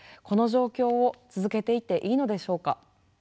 この状況を続けていていいのでしょうか？